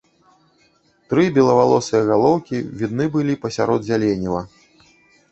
Тры белавалосыя галоўкі відны былі пасярод зяленіва.